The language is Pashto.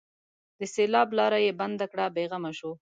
د سېلاب لاره یې بنده کړه؛ بې غمه شو.